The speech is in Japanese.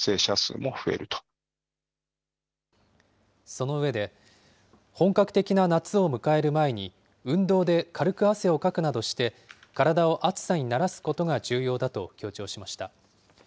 その上で、本格的な夏を迎える前に、運動で軽く汗をかくなどして、体を暑さに慣らすことが重要だと強調しました。